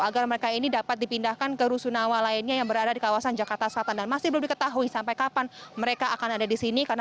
agar mereka ini dapat dipindahkan ke rusunawa lainnya yang berada di kawasan jakarta selatan dan masih belum diketahui sampai kapan mereka akan ada di sini